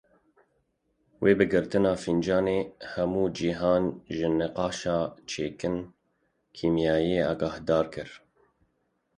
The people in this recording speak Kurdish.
We bi girtina Fîncanci hemû cîhan ji nîqaşa çekên kîmyayî agahdar kir.